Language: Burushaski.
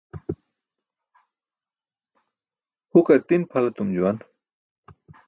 Hukar ti̇n pʰal etum juwan.